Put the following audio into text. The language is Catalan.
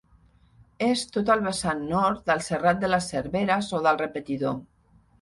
És tot el vessant nord del Serrat de les Serveres, o del Repetidor.